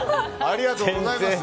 ありがとうございます。